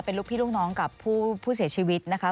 เป็นลูกพี่ลูกน้องกับผู้เสียชีวิตนะคะ